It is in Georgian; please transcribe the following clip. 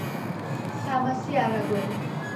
სამასი არაგველი